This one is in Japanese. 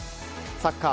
サッカー